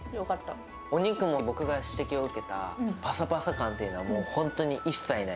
お肉も僕が指摘を受けたぱさぱさ感っていうのが、もう本当に一切ない。